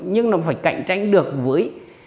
nhưng nó phải cạnh tranh được với